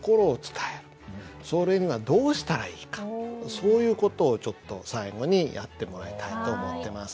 そういう事をちょっと最後にやってもらいたいと思ってます。